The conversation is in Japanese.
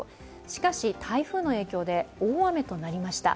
しかし、台風の影響で大雨となりました。